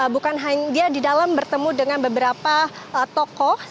bukan hanya dia di dalam bertemu dengan beberapa tokoh